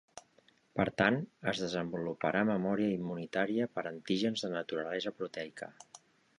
Per tant, es desenvoluparà memòria immunitària per antígens de naturalesa proteica.